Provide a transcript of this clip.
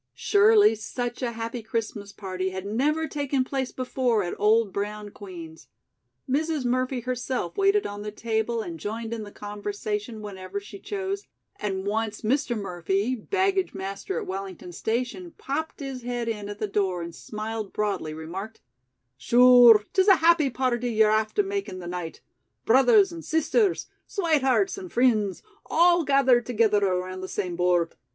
Surely such a happy Christmas party had never taken place before at old brown Queen's. Mrs. Murphy herself waited on the table and joined in the conversation whenever she chose, and once Mr. Murphy, baggage master at Wellington station, popped his head in at the door and smiling broadly, remarked: "Shure, 'tis a happy party ye're after makin' the night; brothers and sisters; swatehearts and frinds all gathered togither around the same board.